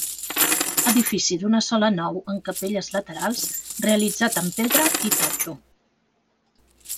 Edifici d'una sola nau amb capelles laterals, realitzat amb pedra i totxo.